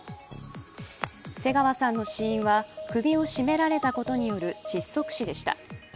瀬川さんの死因は首を絞められたことによる窒息死でした。